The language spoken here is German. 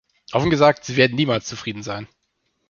Offen gesagt, sie werden niemals zufrieden sein.